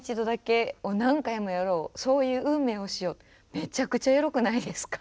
めちゃくちゃエロくないですか？